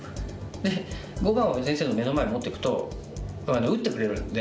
で碁盤を先生の目の前に持っていくと打ってくれるんで。